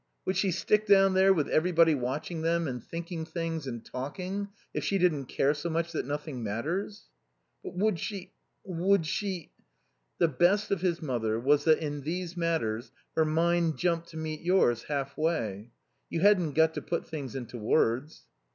Would she stick down there, with everybody watching them and thinking things and talking, if she didn't care so much that nothing matters?" "But would she would she " The best of his mother was that in these matters her mind jumped to meet yours halfway. You hadn't got to put things into words.